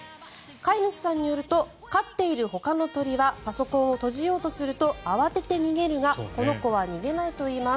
飼い主さんによると飼っているほかの鳥はパソコンを閉じようとすると慌てて逃げるがこの子は逃げないといいます。